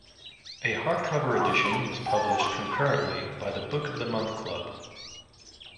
A hardcover edition was published concurrently by the Book of the Month Club.